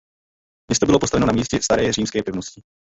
Město bylo postaveno na místě staré římské pevnosti.